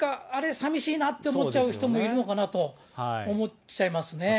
さみしいなって思っちゃう人もいるのかなと思っちゃいますね。